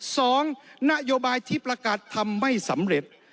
สองนโยบายที่ประกาศทำไม่สำเร็จ